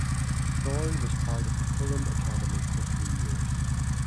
Thorn was part of the Fulham academy for three years.